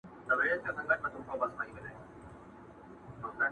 ښه دیقاسم یار چي دا ثواب او دا ګنا کوي